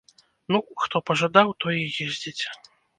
Ну, хто пажадаў, той і ездзіць.